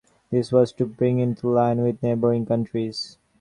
This was to bring it into line with neighbouring countries.